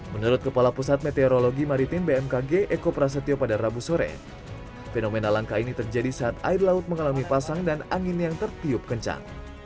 menurut kepala pusat meteorologi maritim bmkg eko prasetyo pada rabu sore fenomena langka ini terjadi saat air laut mengalami pasang dan angin yang tertiup kencang